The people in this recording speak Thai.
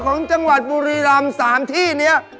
ของจังหวัดปุริรำสามที่เนี่ย